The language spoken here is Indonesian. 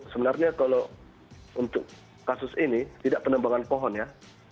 sebenarnya kalau untuk kasus ini tidak penembangan pohon ya